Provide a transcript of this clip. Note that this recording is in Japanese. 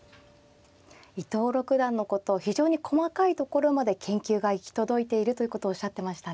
伊藤六段のことを非常に細かいところまで研究が行き届いているということをおっしゃってましたね。